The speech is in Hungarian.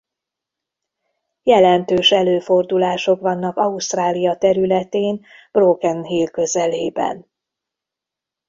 Jelentős előfordulások vannak Ausztrália területén Broken Hill közelében.